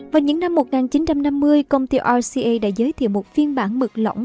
vào những năm một nghìn chín trăm năm mươi công ty oca đã giới thiệu một phiên bản mực lỏng